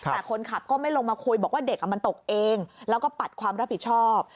แต่คนขับก็ไม่ลงมาคุยบอกว่าเด็กมันตกเองแล้วก็ปัดความรับผิดชอบ